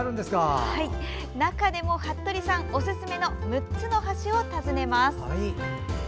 中でも服部さんおすすめの６つの橋を訪ねます。